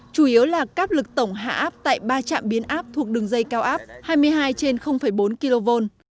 chủ yếu là các lực tổng hạ áp tại ba trạm biến áp thuộc đường dây cao áp hai mươi hai trên bốn kv